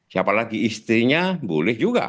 siapa lagi istrinya boleh juga